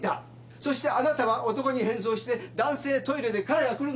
そしてあなたは男に変装して男性トイレで彼が来るのを待ったんです。